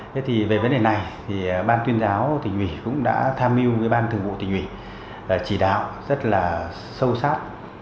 thế thì về vấn đề này thì ban tuyên giáo tình quỷ cũng đã tham mưu với ban thường vụ tình quỷ chỉ đạo rất là sâu sát